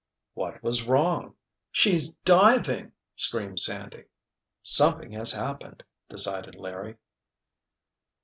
What was wrong? "She's diving!" screamed Sandy. "Something has happened!" decided Larry.